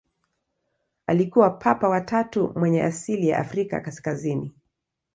Alikuwa Papa wa tatu mwenye asili ya Afrika kaskazini.